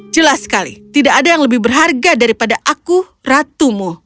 jelas sekali tidak ada yang lebih berharga daripada aku ratumu